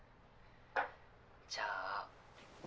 じゃあ。